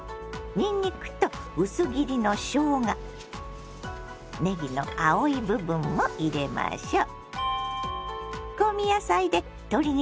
にんにくと薄切りのしょうがねぎの青い部分も入れましょう。